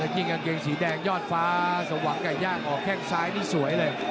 จริงอังเกงสีแดงยอดฟ้าสวัสดิ์ไก่ย่างออกแค่งซ้ายนี่สวยเลย